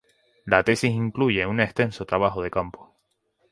La tesis incluye un extenso trabajo de campo.